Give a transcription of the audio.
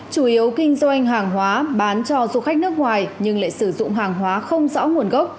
chủ yếu kinh doanh hàng hóa bán cho du khách nước ngoài nhưng lại sử dụng hàng hóa không rõ nguồn gốc